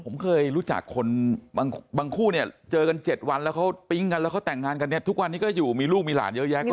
ผมเคยรู้จักคนบางคู่เนี่ยเจอกัน๗วันแล้วเขาปิ๊งกันแล้วเขาแต่งงานกันเนี่ยทุกวันนี้ก็อยู่มีลูกมีหลานเยอะแยะก็